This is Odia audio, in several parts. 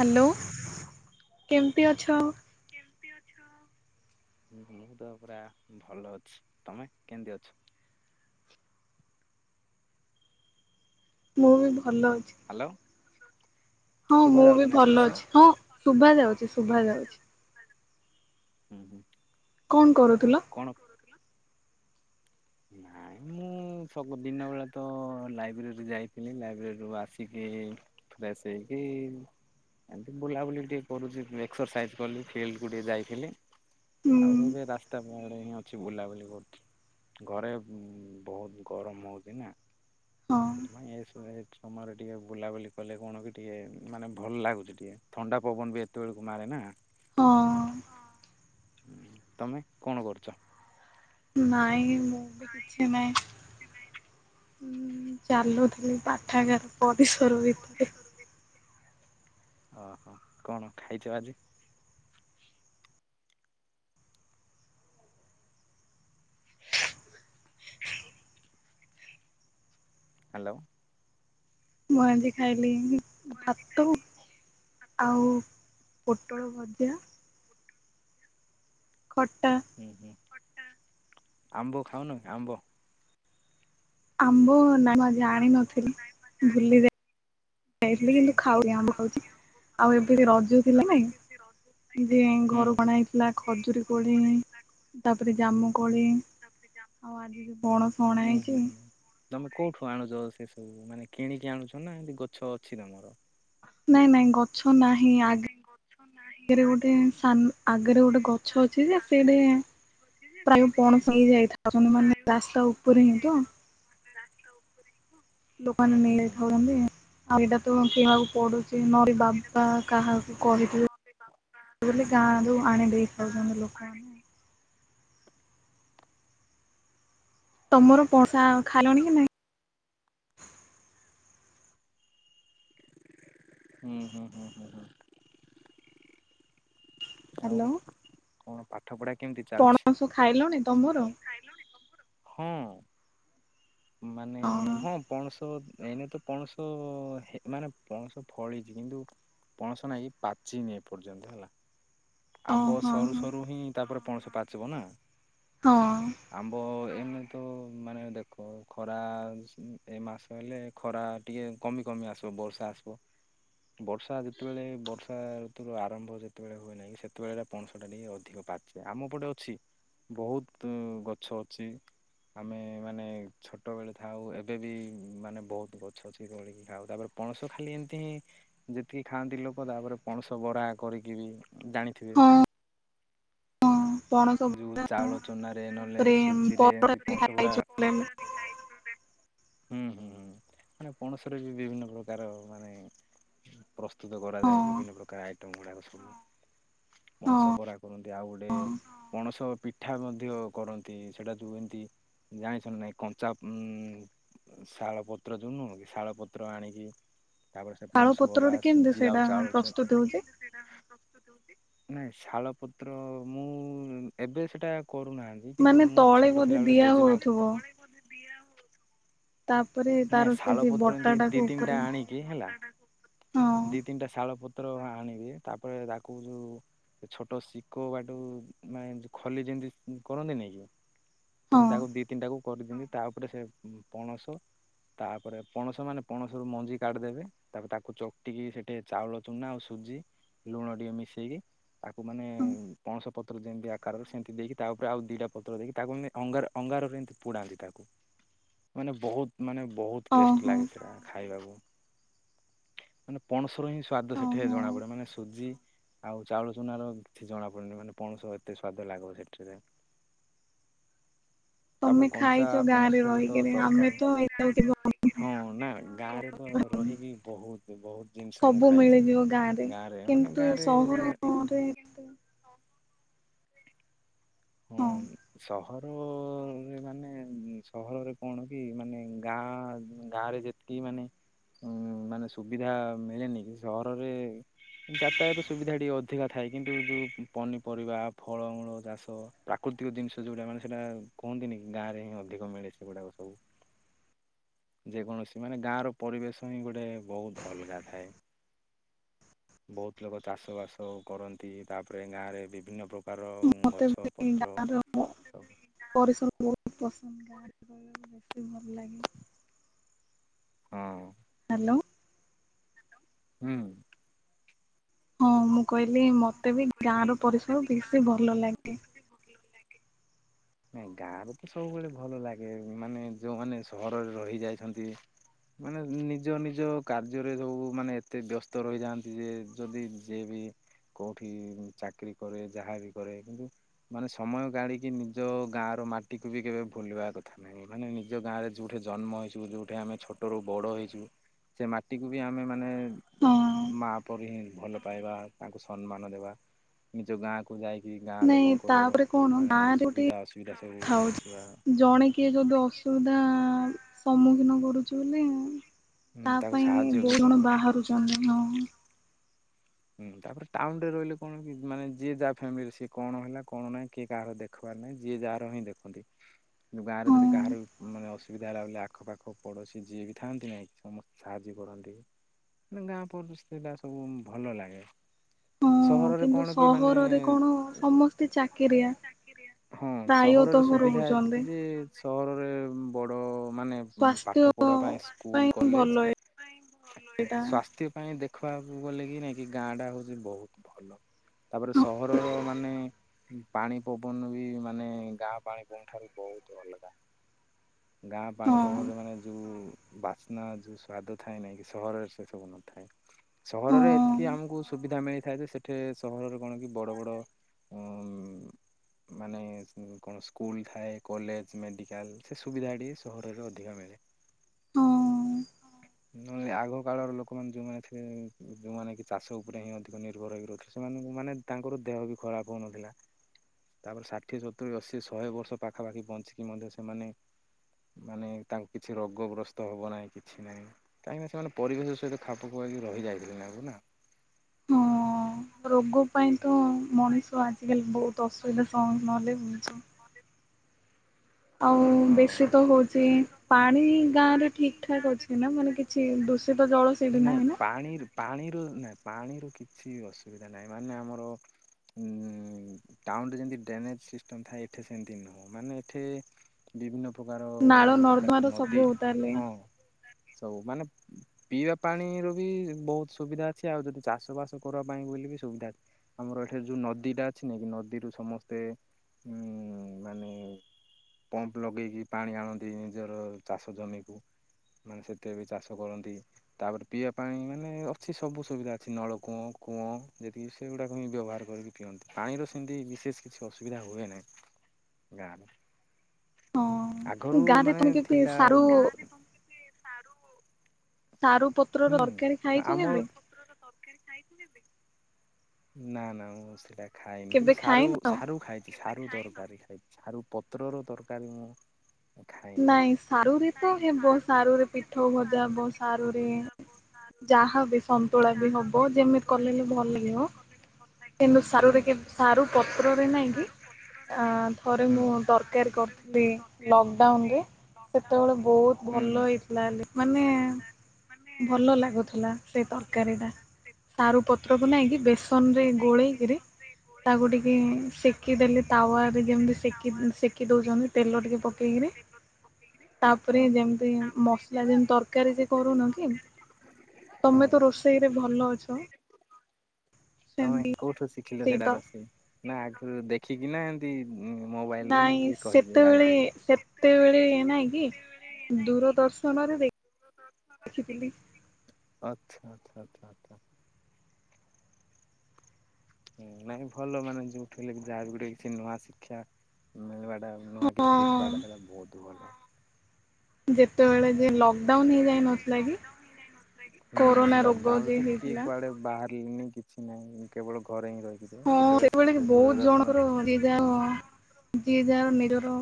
ହାଲୋ କେମତି ଅଛ? ମୁଁ ତ ପୁରା ଭଲ ଅଛି ତମେ କେମତି ଅଛ? ମୁଁ ବି ଭଲ ଅଛି। ହାଲୋ। ହଁ ମୁଁ ବି ଭଲ ଅଛି ହଁ ଶୁଭା ଯାଉଚି ଶୁଭା ଯାଉଚି। ହୁଁ ହୁଁ। କଣ ଆଉ କରୁଥିଲ? କଣ? ନାଇଁ ମୁଁ ସବୁ ଦିନ ବେଳେ ତ ଲାଇବ୍ରେରୀ ଯାଇଥିଲି ଲାଇବ୍ରେରୀରୁୁ ଆସିକି ଫ୍ରେସ୍ ହେଇକି ଏମତି ବୁଲାବୁଲି ଟିକେ କରୁଚି ଏକ୍ସରସାଇଜ୍ କଲି ଫିଲ୍ଡକୁ ଟିକେ ଯାଇଥିଲି। ହୁଁ ଆଉ ଏବେ ରାସ୍ତା ଉପରେ ହିଁ ଅଛି ବୁଲାବୁଲି କରୁଛି। ଘରେ ଉଁ ବହୁତ ଗରମ ହଉଚି ନା ହଁ ସେଥିପାଇଁ ଏସ୍ ମେ ତମର ଟିକେ ବୁଲାବୁଲି କଲେ କଣ କି ଟିକେ ମାନେ ଭଲ ଲାଗୁଛି ଟିକେ ଥଣ୍ଡା ପବନ ବି ଏତେବେଳକୁ ମାରେ ନା। ହଁ। ହୁଁ ତମେ କଣ କରୁଚ? ନାଇଁ ମୁଁ ବି କିଛି ନାହିଁ। ଚାଲୁଥିଲି ପାଠାଗାର ପରିସର ଭିତରେ। ଓହୋ କଣ ଖାଇଚ ଆଜି? ହ୍ୟାଲୋ। ମୁଁ ଆଜି ଖାଇଲି ଭାତ ଆଉ ପୋଟଳ ଭଜା ଖଟା। ହୁଁ ହୁଁ ଆମ୍ବ ଖାଉନ ଆମ୍ବ? ଆମ୍ବ ନାଇଁ ମୁଁ ଆଜି ଆଣି ନଥିଲି ଭୁଲି ଯା ଇଥିଲି ଆଚ୍ଛା। କିନ୍ତୁ ଖାଉଚି ଆମ୍ବ ଖାଉଚି। ଆଉ ଏବେ ରଜ ଥିଲା ନାଇଁ। ଯେ ହୁଁ ଘରୁ ଅଣା ହେଇଥିଲା ଖଜୁରୀ କୋଳି ତାପରେ ଜାମୁକୋଳି ଆଉ ଆଜି ଯେଉଁ ପଣସ ଅଣା ହୁଁ ହୁଁ ହେଇଚି। ହୁଁ ତମେ କୋଉଠୁ ଆଣୁଚ ସେ ସବୁ ମାନେ କିଣିକି ଆଣୁଚ ନା ଏମତି ଗଛ ଅଛି ତମର? ନାଇଁ ନାଇଁ ଗଛ ନାହିଁ। ଆଗ ଆଗରେ ଗୋଟେ ଆଗରେ ଗୋଟେ ଗଛ ଅଛି ଯେ ସେଇଠି ପ୍ରାୟ ପଣସ ହେଇ ଯାଇଥାଉନି ମାନେ ରାସ୍ତା ଉପରେ ହିଁ ତ। [unintelligible] ଲୋକମାନେ ହୁଁ ହୁଁ ନେଇଥାଉଚନ୍ତି ଆଉ ଏଇଟା ତ କିଣିବାକୁ ପଡୁଚି। ନହେଲେ ବାବା କାହାକୁ କହିଥିବେ ବୋଲି ଗାଁରୁ ଆଣି ଦେଇେଥାଉଛନ୍ତି ଲୋକ। କଣ? ତମର ପସା ଖାଲଣି କି ନାଇଁ? ହୁଁ ହୁଁ ହୁଁ ହୁଁ ହୁଁ। ଆଉ ହ୍ୟାଲୋ କଣ ପାଠ ପଢା କେମିତି ଚାଲିଚି? ପଣସ ଖାଇଲଣି ତମର? ହଁ। ମାନେ ଓହୋ ହଁ ପଣସ ଏଇନ ତ ପଣସ ମାନେ ପଣସ ଫଳିଚି କିନ୍ତୁ। ପଣସ ନେଇାଇକି ପାଚେଇ ନେଇେ ପର୍ଯ୍ୟନ୍ତ ହେଲା। ଆମ୍ବ ଓହୋ ସରୁ ହଁ। ସରୁ ହିଁ ତାପରେ ପଣସ ପାଚିବ ନା। ହଁ। ଆମ୍ବ ଏମ ତ ମାନେ ଦେଖ ଖରା ଏ ମାସ ହେଲେ। ଖରା ଟିକେ କମି କମି ଆସିବ ବର୍ଷା ଆସିବ। ବର୍ଷା ଯେତେବେଳେ ବର୍ଷା ଋତୁୁର ଆରମ୍ଭ ଯେତେବେଳେ ହୁଏ ନା [unintelligible] ସେତେବେଳେ ପଣସ ଟା ଟିକେ ଅଧିକ ପାଚେ। ଆମ ପଟେ ଅଛି। ବହୁତ ଗଛ ଅଛି। ଆମେ ମାନେ ଛୋଟବେଳେ ଥାଉ ଏବେ ବି ମାନେ ବହୁତ ଗଛ ଅଛି ତୋଳିକି ଖାଉ। ତାପରେ ପଣସ ଖାଲି ଏମିତି ହିଁ ଯେତିକି ଖାଆନ୍ତି ଲୋକ ତାପରେ ପଣସ ବରା କରିକି ବି ଜାଣି [unintelligible] ହଁ ପଣସ ଯୋଉ ଚାଉଳ ଚନାରେ ନହେଲେ ସୁଜିରେ ଏମିତି ପଣସ [unintelligible] ବରା ହୁଁ ହୁଁ ହୁଁ ମାନେ ପଣସରେ ବି ବିଭିନ୍ନ ପ୍ରକାର ମାନେ ପ୍ରସ୍ତୁତ କରାଯାଏ ହଁ ବିଭିନ୍ନ ପ୍ରକାର ଆଇଟମ୍ ଗୁଡ଼ାକ ସବୁ ହଁ ପଣସ ବରା କରନ୍ତି। ଆଉ ଗୋଟେ କଣସ ପିଠା ମଧ୍ୟ କରନ୍ତି ସେଟା ଯୋଉ ଏମିତି ଜାଣିଛନ୍ତି ନାଇଁ କଞ୍ଚା ଉ ଶାଳ ପତ୍ର ଯୋଉନୁହ କି ଶାଳ ପତ୍ର ଆଣିକି ତାପରେ ସେ ଶାଳ ପଣସ ବରା ପତ୍ରରେ କେମିତି ସୁଜି ଆଉ ସେଇଟା ଚାଉଳ ପ୍ରସ୍ତୁତ ହଉଛି? ଅ ନାଇଁ ଶାଳ ପତ୍ର ମୁଁ ଏବେ ସେଟା କରୁନାହା ଏଇ କିନ୍ତୁ ମାନେ ମୁଁ ତଳେ ଛୋଟ ବୋଧେ ଥିଲା ବେଳେ ଦିଆ ଜେଜେମା ହଉଥିବ। ତାପରେ ତାର ନାଇଁ ସେ ଶାଳ ଯେ ପତ୍ର ବଟା ଏମିତି ଟାକୁ ଦି ଉପରେ ତିନିଟା ଆଣିକି ହେଲା ହଁ ଦି ତିନିଟା ଶାଳ ପତ୍ର ଆଣିବି ତାପରେ ତାକୁ ଯୋଉ ସେ ଛୋଟ ଶିକ ବାଠୁ ମାନେ ଖଲି ଯେମିତି କରନ୍ତି ନାଇଁ କି ହଁ। ସେମିତି ତାକୁ ଦି ତିନିଟାକୁ କରିଦିଅନ୍ତି ତା ଉପରେ ସେ ପଣସ ତାପରେ ପଣସ ମାନେ ପଣସ ରୁ ମଞ୍ଜି କାଢିଦେବେ ତାପ ତାକୁ ଚଟିକି ସେଠି ଚାଉଳ ଚୁନା ଆଉ ସୁଜି ଲୁଣ ଟିକେ ମିଶେଇକି ତାକୁ ମାନେ ପଣସ ପତ୍ର ଯେମିତି ଆକାରରେ ସେମିତି ଦେଇକି ତା ଉପରେ ଆଉ ଦିଟା ପତ୍ର ଦେଇକି ତାକୁ ଏମି ଅଙ୍ଗାର ଅଙ୍ଗାରରେ ଏମିତି ପୁଡ଼ାନ୍ତି ତାକୁ ମାନେ ବହୁତ ମାନେ ବହୁତ ଟେଷ୍ଟ ଓହୋ ଲାଗେ ସେଟା ଖାଇବାକୁ। ମାନେ ପଣସ ର ହିଁ ସ୍ଵାଦ ସେଠି ଓହୋ ଜଣା ପଡେ ମାନେ ସୁଜି ଆଉ ଚାଉଳ ଚୁନାର କିଛି ଜଣାପଡ଼ୁନି ମାନେ ପଣସ ଏତେ ସ୍ଵାଦ ଲାଗିବ ସେଠିରେ। ତାପରେ ତମେ କଞ୍ଚା ଖାଇଛ ଗାଁ ରେ ପଣସରେ ବି ତ ରହିକିରି ଆମେ ତରକାରୀ ତ ଏଇ ହଁ ନା ଗାଁରେ ତ ରହିବି ବହୁତ ବହୁତ ଜିନିଷ ମୁଁ ସବୁ ଖାଇଛି। ମିଳିଯିବ ଗାଁରେ ମାନେ କିନ୍ତୁ ଗାଁରେ ସହରରେ ଏତେ ହୁଁ ହଁ ସହ ସହରରେ ମାନେ ସହରରେ କଣ କି ମାନେ ଗାଁ ଗାଁରେ ଯେ କି ମାନେ ଉ ମାନେ ସୁବିଧା ମିଳେନି କି ସହରରେ ଯାତାୟାତ ସୁବିଧା ଟିକେ ଅଧିକା ଥାଏ କିନ୍ତୁ ଯୋଉ ପନିପରିବା ଫଳମୂଳ ଚାଷ ପ୍ରାକୃତିକ ଜିନିଷ ଯଉଟାମାନେ ସେଇଟା କୁହନ୍ତିନି କି ଗାଁ ରେ ହିଁ ଅଧିକ ମିଳେ ସେଗୁଡା ସବୁ। ଯେକୌଣସି ମାନେ ଗାଁର ପରିବେଶ ହିଁ ଗୋଟେ ବହୁତ ଅଲଗା ଥାଏ। ବହୁତ ଲୋକ ଚାଷ ବାସ କରନ୍ତି ତାପରେ ଗାଁରେ ବିଭିନ୍ନ ପ୍ରକାର ଗଛ ପ ମୁ ପରିଶ୍ରମ ବହୁତ ପସନ୍ଦ। ଗାଁରେ ହ [unintelligible] ରହିବାକୁ ଭଲ ଲାଗେ। ହଁ। ହ୍ୟାଲୋ। ହୁଁ। ହଁ ମୁଁ କହିଲି ମତେ ବି ଗାଁ ର ପରିସର ବେଶୀ ଭଲ ଲାଗେ। ଫାଙ୍କା ଅଡିଓ। ନାଇଁ ଗାଁ ର ତ ସବୁବେଳେ ଭଲ ଲାଗେ ମାନେ ଯୋଉମାନେ ସହରରେ ରହି ଯାଇଛନ୍ତି ମାନେ ନିଜ ନିଜ କାର୍ଯ୍ୟରେ ସବୁ ମାନେ ଏତେ ବ୍ୟସ୍ତ ରହିଥାନ୍ତି ଯେ ଯଦି ଯିଏ ବି କୋଉଠି ଚାକିରୀ କରେ ଯାହା ବିି କରେ କିନ୍ତୁ ମାନେ ସମୟ ଗାଢିକି ନିଜ ଗାଁ ର ମାଟିକୁ ବି କେବେ ଭୁଲିବା କଥା ନାଇଁ ମାନେ ନିଜ ଗାଁ ରେ ଯୋଉଠି ଜନ୍ମ ହେଇଛୁ ଯୋଉଠି ଆମେ ଛୋଟରୁୁ ବଡ ହେଇଛୁ ସେ ମାଟିକୁୁ ବି ଆମେ ମାନେ ହଁ ମାପରି ହିଁ ଭଲ ପାଇବା ତାଙ୍କୁ ସମ୍ମାନ ଦେବା। ନିଜ ଗାଁକୁ ଯାଇକି ଗାଁ ନାଇଁ ଲୋକଙ୍କର ତାପରେ କଣ ମାନେ ଗାଁରେ ଗୋଟେ ସୁବିଧା ଅସୁବିଧା ସବୁ ଥାଉଛି। ଦେଖିବା। ଜଣେ କିଏ ଯଦି ଅସୁବିଧା ସମ୍ମୁଖୀନ କରୁଛି ବୋଲି ହୁଁ ତା ତାକୁ ପାଇଁ ସାହାଯ୍ୟ ବି ବୋଉ ଜଣ କରିବା ବାହାରୁଛନ୍ତି ହଁ। ହୁଁ ତାପରେ ଟାଉନରେ ରହିଲେ କଣ ହୁଏ, ମାନେ ଯିଏ ଯାହା ଫ୍ୟାମିଲୀ ସିଏ କଣ ହେଲା କଣ ନାହିଁ କିଏ କାହାର ଦେ ଦେଖବାର ନାହିଁ ଯିଏ ଯାହାର ହିଁ ଦେଖନ୍ତି। କିନ୍ତୁ ଗାଁରେ ହଁ। ଯଦି କାହାର ବି ମାନେ ଅସୁବିଧା ହେଲା ବୋଲି ଆଖପାଖ ପଡ଼ୋଶୀ ଯିଏ ବି ଥାନ୍ତି ନାହିଁ କି ସମସ୍ତେ ସାହାଯ୍ୟ କରନ୍ତି। ମାନେ ତାଙ୍କ [unintelligible] ସବୁ ଭଲଲାଗେ। ହଁ ସହରରେ କିନ୍ତୁ କଣ କି ମାନେ ସହରରେ କଣ ସମସ୍ତେ ଚାକିରିଆ। [unintelligible] ହଁ ସହରରେ ପ୍ରାୟତଃ ସୁବିଧା ରହୁଛନ୍ତି ଏତିକି ଯେ ସହରରେ ବଡ଼ ମାନେ ପାଠ ପଢିବା ପାଇଁ ସ୍ୱାସ୍ଥ୍ୟ ପାଇଁ ସ୍କୁଲ କଲେଜ ଭଲ ଏଇଟା। ସ୍ୱାସ୍ଥ୍ୟ ପାଇଁ ଦେଖ ଆଗୁ ଗଲେ କି ନାଇଁ କି ଗାଁ ଟା ହଉଛି ବହୁତ ଭଲ ତାପରେ ହଁ ସହରର ମାନେ ପାଣି ପବନ ବି ମାନେ ଗାଁ ପାଣି ପବନ ଠାରୁ ବହୁତ ଅଲଗା। ଗାଁ ପାଣି ପବନରେ ମାନେ ଯୋଉ ବାସ୍ନା ଯୋଉ ସ୍ଵାଦ ଥାଏ ନାଇଁ କି ସହରରେ ସେ ସବୁ ନଥାଏ। ସହରରେ ଏତିକି ହଁ। ଆମକୁ ସୁବିଧା ମିଳିଥାଏ ଯେ, ସେଠି ସହରରେ କଣ କି ବଡ଼ ବଡ଼ ହୁଁ ମାନେ କଣ ସ୍କୁଲ୍ ଥାଏ, କଲେଜ ମେଡିକାଲ ସେ ସୁବିଧା ହେଟି କଲେଜରେ ଅଧିକ ମିଳେ। ହଁ ନହେଲେ ଆଗ କାଳର ଲୋକମାନେ ଯୋଉମାନେ ସେ ଯୋଉମାନେ କି ଚାଷ ଉପରେ ହିଁ ଅଧିକ ନିର୍ଭର ହେଇକି ରହୁଥିଲା ସେମାନଙ୍କୁ ମାନେ ତାଙ୍କର ଦେହ ବି ଖରାପ ହଉନଥିଲା। ତାପରେ ଷାଠିଏ ସତୁୁରରି ଅଶୀ ଶହେ ବର୍ଷ ପାଖାପାଖି ବଞ୍ଚିକି ମଧ୍ୟ ସେମାନେ ମାନେ ତାଙ୍କୁ କିଛି ରୋଗଗ୍ରସ୍ତ ହେବ ନାହିଁ କିଛି ନାହିଁ କାହିଁକିନା ସେମାନେ ପରିବେଶ ସହିତ ଖାପ ଖୁଆଇକି ରହିଯାଇଥିଲେ, ନାକୁ ନା ହଁ ରୋଗ ପାଇଁ ତ ମଣିଷ ଆଜିକାଲି ବହୁତ ତ ଅସୁବିଧା ସମ୍ମୁଖ ନହଲେ ହେଉଛି ଆଉ ହଁ। ବେଶି ତ ହଉଛି ପାଣି ତ ଗାଁରେ ଠିକ୍ ଠାକ୍ ଅଛି ନା ମାନେ କି କିଛି ଦୂଷିତ ଜଳ ସେଇଠୁ ନାଇଁ ନାହିଁ ନା ପାଣିର ପାଣିରୁ ନା ପାଣିରୁ କିଛି ଅସୁବିଧା ନାହିଁ ମାନେ ଆମର ଉ ଟାଉନରେ ଯେମିତି ଟେନେଜ ସିଷ୍ଟମ ଥାଏ, ଏଠି ସେମିତି ନୁହଁ। ମାନେ ଏଠି ବିଭିନ୍ନ ପ୍ରକାର ନାଳ ଦେଖ ନର୍ଦ୍ଦମାର ନଦୀ ସବୁ ତାହେଲେ ହଁ ସବୁ ମାନେ ପିଇବା ପାଣିର ବି ବହୁତ ସୁବିଧା ଅଛି। ଆଉ ଯଦି ଚାଷ ବାସ କରିବା ପାଇଁ ବୋଲିବି ସୁବିଧା ଅଛି। ଆମର ଏଠି ଯୋଉ ନଦୀଟା ଅଛି ନ କି ନଦୀରୁ ସମସ୍ତେ ଉଁ ମାନେ ପମ୍ପ ଲଗେଇକି ପାଣି ଆଣନ୍ତି ନିଜର ଚାଷ ଜମିକୁ ମାନେ ସେତେ ବି ଚାଷ କରନ୍ତି ତାପରେ ପିଇବା ପାଣି ମାନେ ଅଛି ସବୁ ସୁବିଧା ଅଛି। ନଳ କୂଅ କୂଅ ଯେତିକି ସେଗୁଡ଼ାକ ମୁ ବ୍ୟବହାର କରିକି ପିଅନ୍ତି ପାଣିର ସେମିତି ବିଶେଷ କିଛି ଅସୁବିଧା ହୁଏ ନାହିଁ ଗାଁରେ ହଁ ଆଗରୁ ଗାଁରେ ମାନେ ପୁଣି କେତେ ଥିଲା ସାରୁ ସାରୁ ପତ୍ର ର ହୁଁ ତରକାରୀ ଖାଇଛୁ ଆମର କେବେ? ନା ନା ମୁଁ ସେଟା ଖାଇନି, କେବେ କିନ୍ତୁ ସାରୁ ଖାଇନ? ସାରୁ ଖାଇ ସାରୁ ଦରକାରୀ ଖାଇ ସାରୁ ପତ୍ର ର ଦରକାରୀ ମୁଁ ଖାଇନି ନାଇଁ ସାରୁରେ ତ ହେବ, ସାରୁରେ ପିଠଉ ଭଜା ବ ସାରୁରେ ଯାହାବ ସନ୍ତୁଳା ବି ହବ। ଯେମିତି କଲେ ବି ଭଲ ଲାଗିବ। [unintelligible] କିନ୍ତୁ ହୁଁ ସାରୁରେ କେ ସାରୁ ପତ୍ରରେ ନାଇଁ କି ଥରେ ହୁଁ ମୁଁ ତରକାରୀ କରିଥିଲି ଲକଡାଉନ ରେ ସେତେବେଳେ ବହୁତ ଭଲ ହେଇଥିଲା ହେ ମାନେ ମାନେ ଭଲ ଲାଗୁଥିଲା। ସେ ତରକାରୀ ଟା ସାରୁ ପତ୍ରକୁ ନେଇକି ବେସନରେ ଗୋଳେଇକିରି ତାକୁ ଟିକେ ସେକି ଦେଲେ ତାୱାରେ ଯେମତି ସେକି ସେକି ଦଉଚନ୍ତି ତେଲ ଟିକେ ପକେଇକିରି ତାପରେ ହଁ ଯେମତି ମସଲା ଯେମତି ତରକାରୀ ସେ କରୁନଁ କି? ତମେ ହଁ ତ ରୋଷେଇରେ ଭଲ ଅଛ। ତମେ ସେମିତି କୋଉଠୁ ଶିଖିଲ ସେଇ ସେଇଟା ତ ରୋଷେଇ ନା ଆଗୁରୁ ଦେଖିକି ନା ଏମ୍ ତି ମୋବାଇଲ ରୁ ନା କିଏ କହିବେ ଜାଣିଥିଲ ତେବେଳେ ଏ ନାଇଁ କି ଦୂରଦର୍ଶନରେ ଦେଖ୍ ଦେଖିଥିଲି। ଆଚ୍ଛା ଛା ଛା ଛା ହୁଁ ନାଇଁ ଭଲ ମାନେ ଯୋଉଠି ହେଲେ ବି ଯାହା ବି ଗୋଟେ କିଛି ନୂଆ ଶିକ୍ଷା ମିଳିବାର୍ ସେଟା ହଁ ନୂଆ କିଛି ଶିଖିବାଟା ସେଇଟା ବହୁତ୍ ଭଲ। ଯେତେବେଳେ ଯିଏ ଲଗ୍ ହୁଁ କୋରୋନା ରୋଗ ଲକଡାଉନ୍ ଯେ ତ କିଏ ହେଇଥିଲା କୁଆଡେ? ବାହାରିଲିନି କିଛି ନାହିଁ କେବଳ ଘରେ ହିଁ ରହିକି ଥିବ ହଁ ସେତେବେଳେ ସେ ଭଳିକି ଶିଖିଛ ବହୁତ୍ ଦୂରଦର୍ଶନ ଜଣଙ୍କର ଦେଖି ଯେ ଯା ହ ଯିଏ ଯାହାର ନିଜର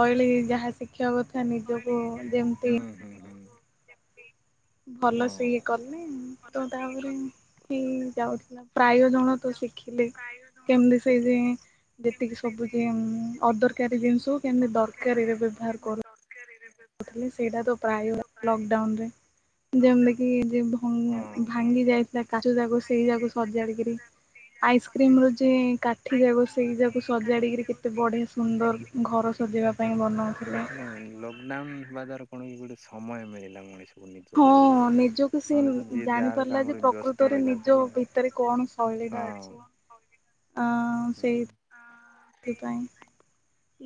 ଶୈଳୀ ଯାହା ଶିଖିବା କଥା ନିଜକୁ ଯେମିତି ହୁଁ ହୁଁ ହୁଁ ଭଲ ସେ ହଁ ଇଏ କଲେ ତ ତାପରେ ହେଇ ଯାଉଥିଲା। ପ୍ରାୟ ଜଣ ତ ଶିଖିଲେ କେମତି ସେଇ ଯେଏଁ ଯେତିକି ସବୁ ଯେ ଅଁ ଅଦରକାରୀ ଜିନିଷ କେମିତି ଦରକାରୀରେ ବ୍ୟବହାର କରୁ। ଦରକାରୀରେ ବ୍ୟବ୍ ବୋଧ ହୁଏ ସେଇଡା ତ ପାୟ ଲ ଲକଡାଉନ୍ ରେ ଯେମତି କି ଯେ ହଁ ଭଙ୍ଗ୍ ହଁ। ଭାଙ୍ଗି ଯାଇଥିଲା କାଚ ଯାକୋ ସେଇ ଯାକୁ ସଜାଡିକିରି ଆଇସକ୍ରୀମ୍ ରୁ ଯେଁ କାଠି ଯାକ ସେଇ ଯାକୁ ସଜାଡିକିରି କେତେ ବଢିଆ ସୁନ୍ଦର୍ ଘର ସଜେଇବା ପାଇଁ ବନାହଉଥିଲା। ନାନ୍ ହେବା ଦ୍ଵାରା କଣ କି ଗୋଟେ ସମୟ ମିଳିଲା ମଣିଷ ହଁ ନିଜକୁ ସେ ଯିଏ ଜାଣି ଯାହାର ପାରିଲା ଯେ କାମରେ ବ୍ୟସ୍ତ ପ୍ରକୃତରେ ନିଜ ରହିଯାଉଥିଲେ ନା ଭିତରେ କଣ ସେ ହଲିଡ଼ା ହଁ। ଅଛି ଆଁ ହୁଁ ସେଇଥିପାଇଁ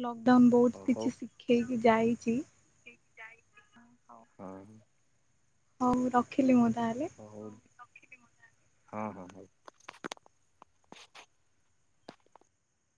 ଲକଡାଉନ୍ ବହୁତ୍ କିଛି ଶିଖେଇକି ଯାଇଚି। ହଁ। ହଉ ରଖିଲି ମୁଁ ତାହେଲେ ହଉ ହଁ ହଁ ହଉ।